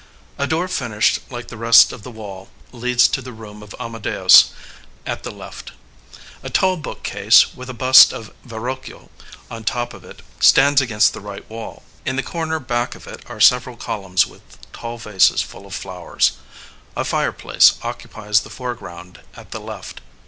A door finished like the rest of the wall leads to the room of Amadeus at the left. A tall book case, with a bust of Verrochio on top of it, stands against the right wall. In the corner back of it are several columns with tall vases full of flowers. A fireplace occupies the foreground at the left.